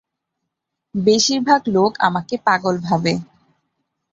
বেশীভাগ লোক আমাকে পাগল ভাবে।